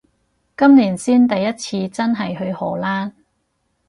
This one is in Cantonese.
今年先第一次真係去荷蘭